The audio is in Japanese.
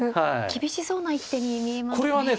厳しそうな一手に見えますね。